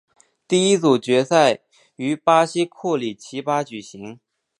第一组决赛于巴西库里奇巴举行。